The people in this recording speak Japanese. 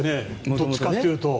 どっちかっていうと。